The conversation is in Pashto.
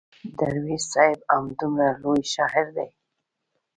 درویش صاحب همدومره لوی شاعر دی.